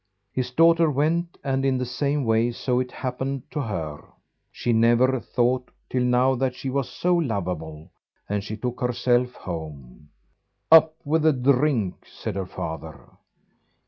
His daughter went, and in the same way so it happened to her. She never thought till now that she was so lovable, and she took herself home. "Up with the drink," said her father.